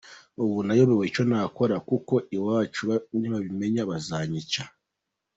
Ubu nayobewe icyo nakora kuko iwacu nibabimenya bazanyica.